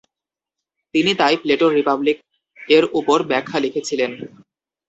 তিনি তাই প্লেটোর রিপাবলিক এর উপর ব্যাখ্যা লিখেছিলেন।